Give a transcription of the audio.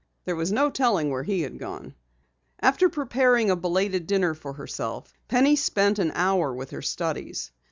There was no telling where he had gone. After preparing a belated dinner for herself, Penny spent an hour with her studies.